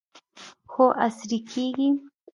خو عصري کیږي.